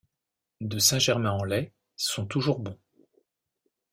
de Saint-Germain-en-Laye, sont toujours bons.